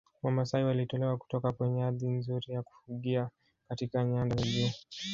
Wamasai walitolewa kutoka kwenye ardhi nzuri ya kufugia katika nyanda za juu